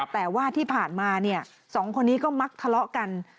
แต่ว่าที่ผ่านมาสองคนนี้ก็มักทะเลาะกัน